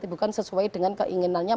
tidak sesuai dengan keinginannya